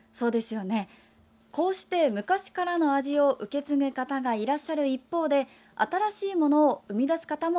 こうして昔からの味を受け継ぐ方がいらっしゃる一方で新しいものを生み出す方も